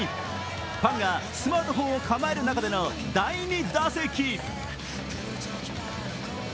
ファンがスマートフォンを構える中での第２打席。